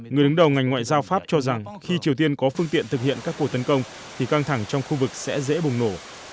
người đứng đầu ngành ngoại giao pháp cho rằng khi triều tiên có phương tiện thực hiện các cuộc tấn công thì căng thẳng trong khu vực sẽ dễ bùng nổ